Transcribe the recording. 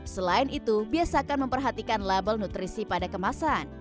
selain itu biasakan memperhatikan label nutrisi pada kemasan